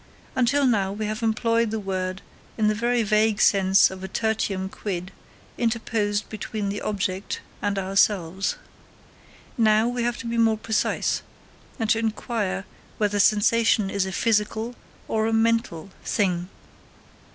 Until now we have employed the word in the very vague sense of a tertium quid interposed between the object and ourselves. Now we have to be more precise, and to inquire whether sensation is a physical or a mental thing.